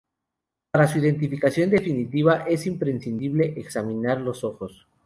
Para su identificación definitiva es imprescindible examinar los ojos.